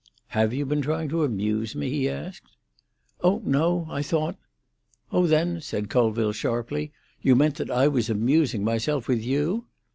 "Have you been trying to amuse me?" he asked. "Oh no. I thought——" "Oh, then," said Colville sharply, "you meant that I was amusing myself with you?"